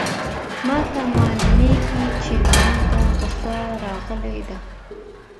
ما ته معلومیږي چي ما ته غوسه راغلې ده.